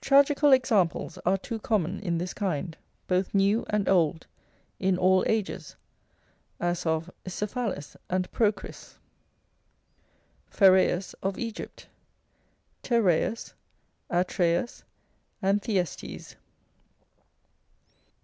Tragical examples are too common in this kind, both new and old, in all ages, as of Cephalus and Procris, Phaereus of Egypt, Tereus, Atreus, and Thyestes.